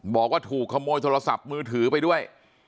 บอกว่าถูกขโมยโทรศัพท์มือถือไปด้วย